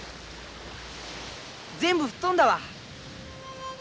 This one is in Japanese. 全部吹っ飛んだわ。